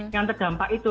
yang terdampak itu